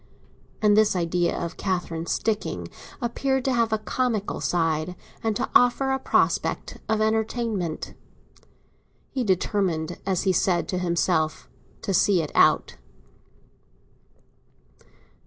And this idea of Catherine "sticking" appeared to have a comical side, and to offer a prospect of entertainment. He determined, as he said to himself, to see it out.